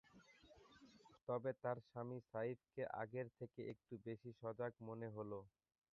তবে, তাঁর স্বামী সাইফকে আগের থেকে একটু বেশি সজাগ মনে হলো।